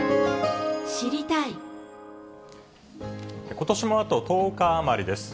ことしもあと１０日余りです。